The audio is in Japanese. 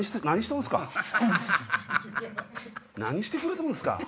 何してくれとんすか。